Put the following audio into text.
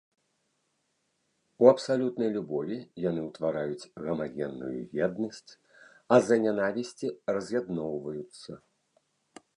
У абсалютнай любові яны ўтвараюць гамагенную еднасць, а з-за нянавісці раз'ядноўваюцца.